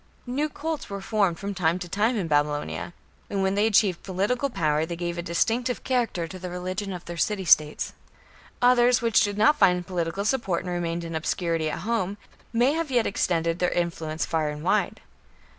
New cults were formed from time to time in Babylonia, and when they achieved political power they gave a distinctive character to the religion of their city states. Others which did not find political support and remained in obscurity at home, may have yet extended their influence far and wide.